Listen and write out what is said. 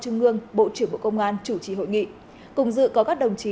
trương ngương bộ trưởng bộ công an chủ trì hội nghị cùng dự có các đồng chí